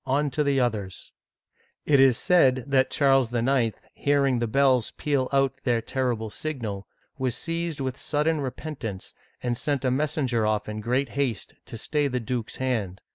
On to the others !" It is said that Charles IX., hearing the bells peal out their terrible signal, was. seized with sudden repentance, and sent a messenger off in great haste to st^y the duke's hand.